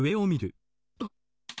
あっ。